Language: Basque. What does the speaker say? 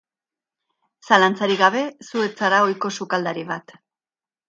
Zalantzarik gabe, zu ez zara ohiko sukaldari bat.